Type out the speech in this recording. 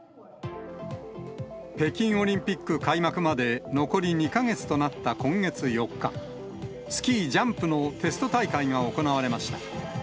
北京オリンピック開幕まで残り２か月となった今月４日、スキージャンプのテスト大会が行われました。